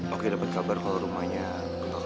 oki dapet kabar kalau rumahnya ketahuan